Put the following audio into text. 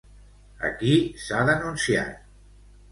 A qui s'ha denunciat?